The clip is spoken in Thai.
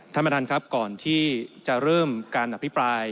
ท่านประธานครับก่อนที่จะเริ่มการอภิปราย